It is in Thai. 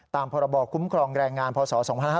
ตามพบคุ้มครองแรงงานพศ๒๕๔๑